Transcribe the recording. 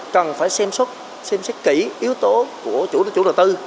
cần phải xem xét kỹ yếu tố của chủ đầu tư